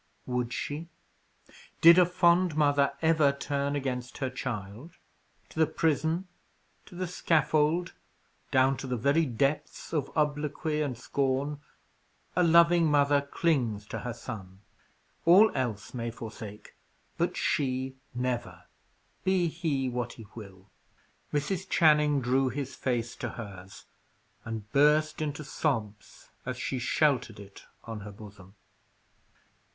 Would she? Did a fond mother ever turn against her child? To the prison, to the scaffold, down to the very depths of obloquy and scorn, a loving mother clings to her son. All else may forsake; but she, never, be he what he will. Mrs. Channing drew his face to hers, and burst into sobs as she sheltered it on her bosom.